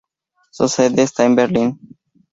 Su sede está en Berlín.